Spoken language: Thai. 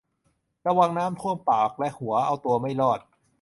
ระวังน้ำท่วม ปากและหัว เอาตัวไม่รอด